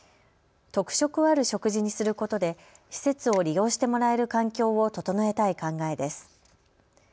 特色ある食事にすることで施設を利用してもらえる環境を整えたい考えです。